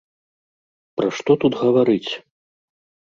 Пра што тут гаварыць?